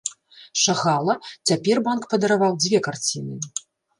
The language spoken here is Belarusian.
Шагала, цяпер банк падараваў дзве карціны.